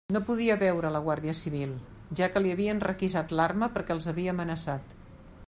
No podia veure la guàrdia civil, ja que li havien requisat l'arma perquè els havia amenaçat.